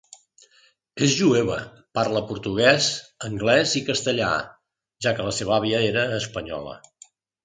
És jueva, parla portuguès, anglès i castellà, ja que la seva àvia era espanyola.